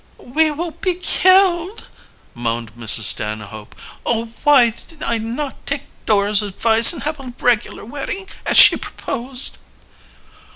"We will be killed!" moaned Mrs. Stanhope. "Oh, why did I not take Dora's advice and have a regular wedding, as she proposed!"